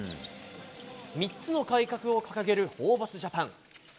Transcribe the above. ３つの改革を掲げるホーバスジャパン。